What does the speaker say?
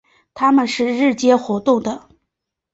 它们是日间活动的。